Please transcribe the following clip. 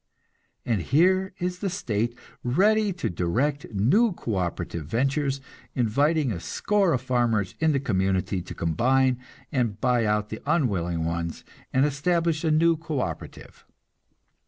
And here is the state, ready to direct new co operative ventures, inviting a score of farmers in the community to combine and buy out the unwilling ones, and establish a new co operative.